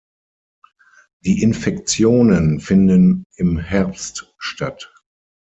Die Infektionen finden im Herbst statt.